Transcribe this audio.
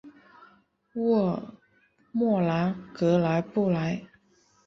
沃尔默朗格莱布莱。